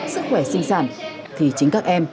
sức khỏe sinh sản thì chính các em